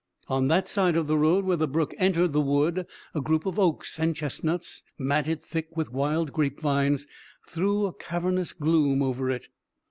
On that side of the road where the brook entered the wood a group of oaks and chestnuts, matted thick with wild grape vines, threw a cavernous gloom over it.